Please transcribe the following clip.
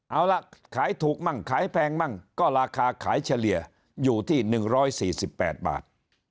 เอาล่ะขายถูกมั้งขายแพงมั้งก็ราคาขายเฉลี่ยอยู่ที่หนึ่งร้อยสี่สิบแปดบาท